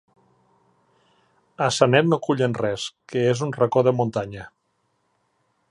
A Sanet no cullen res, que és un racó de muntanya.